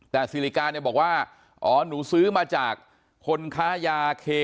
แต่สิริกาเนี่ยบอกว่าอ๋อหนูซื้อมาจากคนค้ายาเค